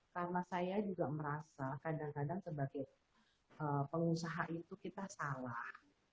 karena saya juga merasa kadang kadang sebagai pengusaha itu kita salah